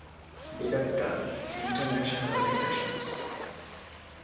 ޑިރެކްޓަރ، އިންޓަރނޭޝަނަލް ރިލޭޝަންސް